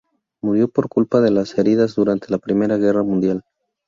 Murió por culpa de las heridas durante la Primera Guerra Mundial.